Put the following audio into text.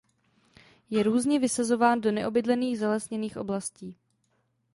Je různě vysazován do neobydlených zalesněných oblastí.